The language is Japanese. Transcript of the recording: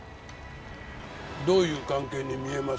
どういう関係に見えます？